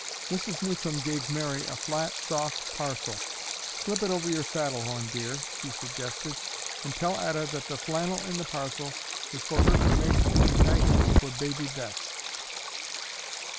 Mrs. Newcomb gave Mary a flat, soft parcel. "Slip it over your saddle horn, dear," she suggested, "and tell Etta that the flannel in the parcel is for her to make into nighties for Baby Bess."